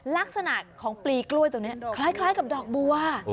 ลักษณะของปลีกล้วยตัวนี้คล้ายกับดอกบัว